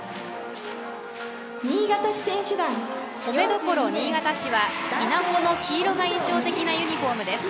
米どころ新潟市は稲穂の黄色が印象的なユニフォームです。